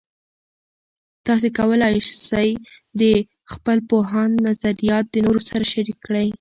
تاسې کولای سئ د خپل پوهاند نظریات د نورو سره شریک کړئ.